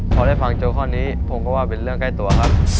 พอได้ฟังโจทย์ข้อนี้ผมก็ว่าเป็นเรื่องใกล้ตัวครับ